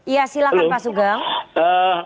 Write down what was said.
ya silahkan pak sugeng